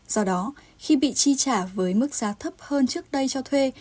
do đó khi bị chi trả với mức giá thấp hơn trước đây cho thuê